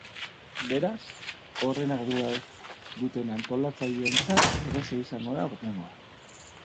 Beraz, horren ardura duten antolatzaileentzat berezia izango da aurtengoa.